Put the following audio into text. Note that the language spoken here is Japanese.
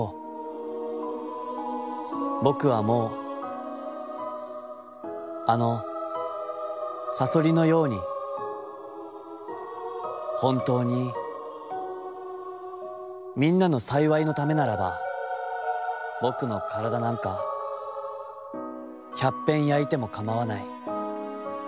僕はもうあのさそりのやうにほんたうにみんなの幸のためならば僕のからだなんか百ぺん灼いてもかまはない』。